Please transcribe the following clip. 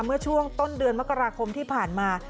เมื่อช่วงต้นเดือนมกราคมที่ผ่านมา